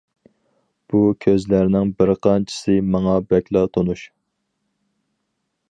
بۇ كۆزلەرنىڭ بىر قانچىسى ماڭا بەكلا تونۇش.